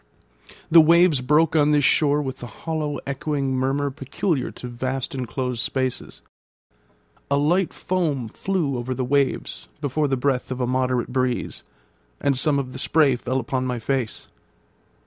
The waves broke on this shore with the hollow echoing murmur peculiar to vast inclosed spaces. A light foam flew over the waves before the breath of a moderate breeze, and some of the spray fell upon my face.